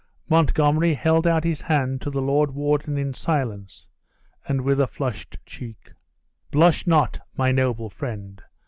Montgomery held out his hand to the lord warden in silence, and with a flushed cheek. "Blush not, my noble friend!"